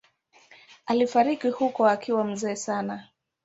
Alifariki huko akiwa mzee sana.